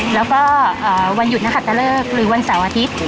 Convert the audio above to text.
แล้วก็วันหยุดนหัตตะเลิกหรือวันเสาร์อาทิตย์